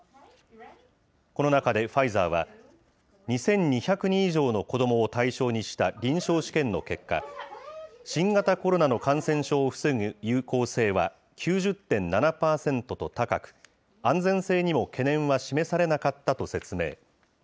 この中でファイザーは、２２００人以上の子どもを対象にした臨床試験の結果、新型コロナの感染症を防ぐ有効性は９０．７％と高く、安全性にも懸念は示されなかったと説明。